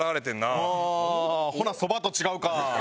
ああほなそばと違うか。